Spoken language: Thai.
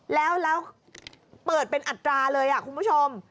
แล้วเปิดเป็นอัตราเลยคุณผู้ชม